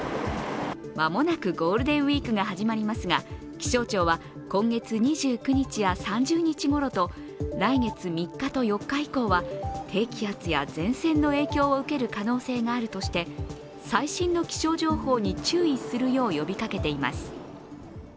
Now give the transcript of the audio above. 間もなくゴールデンウイークが始まりますが、気象庁は今月２９日や３０日ごろと来月３日と４日以降は低気圧や前線の影響を受ける可能性があるとして最新の気象情報に注意するよう呼びかけています。